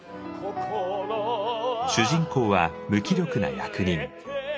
主人公は無気力な役人。